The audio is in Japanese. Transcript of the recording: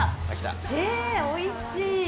えー、おいしい。